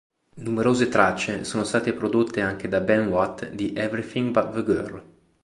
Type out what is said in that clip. Numerose tracce sono state prodotte anche da Ben Watt di Everything but the Girl.